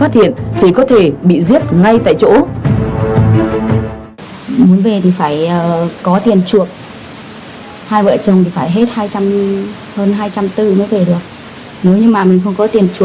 thiệt mạng mất mạng